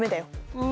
うん。